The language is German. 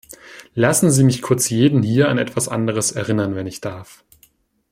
Lassen Sie mich kurz jeden hier an etwas anderes erinnern, wenn ich darf.